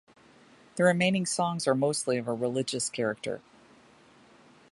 The remaining songs are mostly of a religious character.